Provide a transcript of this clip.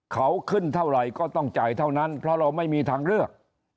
เขาขึ้นเท่าไหร่ก็ต้องจ่ายเท่านั้นเพราะเราไม่มีทางเลือก